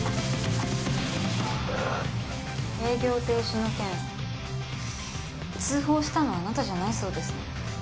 営業停止の件通報したのはあなたじゃないそうですね。